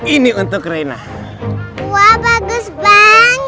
ini untuk rena wah bagus bang